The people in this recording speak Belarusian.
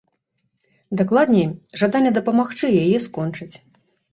Дакладней, жаданне дапамагчы яе скончыць.